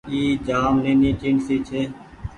اي جآم نيني ٽيڻسي ڇي۔